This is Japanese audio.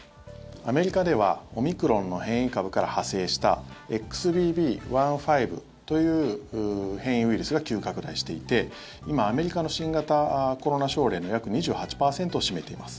アメリカではオミクロンの変異株から派生したＸＢＢ．１．５という変異ウイルスが急拡大していて今、アメリカの新型コロナ症例の約２８％を占めています。